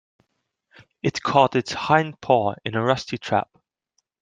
It caught its hind paw in a rusty trap.